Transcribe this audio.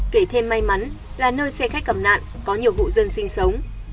kể thêm may mắn là nơi xe khách cầm nạn có nhiều hộ dân sinh sống